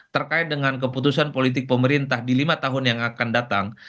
terkait dengan keputusan politik pemerintah di lima tahun yang akan datang